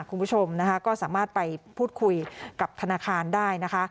คุณผู้ชมนะคะก็สามารถไปพูดคุยกับธนาคารได้นะคะ